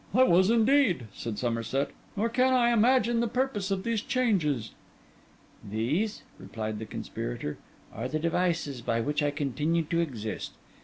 'I was indeed,' said Somerset; 'nor can I imagine the purpose of these changes.' 'These,' replied the conspirator, 'are the devices by which I continue to exist.